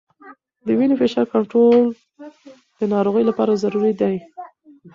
د وینې فشار کنټرول د ناروغ لپاره ضروري دی.